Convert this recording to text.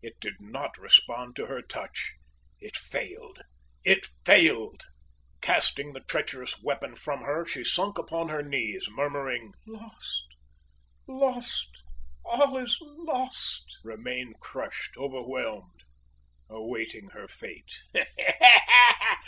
It did not respond to her touch it failed! it failed! Casting the traitorous weapon from her, she sunk upon her knees, murmuring: "Lost lost all is lost!" remained crushed, overwhelmed, awaiting her fate! "Ha! ha! ha!